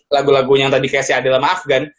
lagu lagunya yang tadi kayak si adel sama afgan